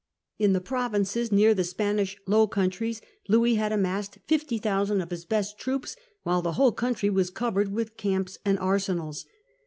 In the provinces near the Spanish Low Countries Louis had massed 50,000 of his best troops, while the whole country was covered with camps and arsenals.